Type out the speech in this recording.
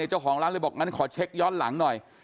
เจ้าของร้านเลยบอกงั้นขอเช็คย้อนหลังหน่อย